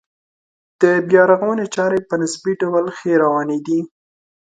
د بیا رغونې چارې په نسبي ډول ښې روانې دي.